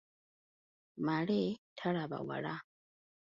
Male talaba wala.